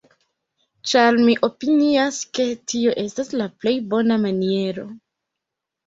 ĉar mi opinias, ke tio estas la plej bona maniero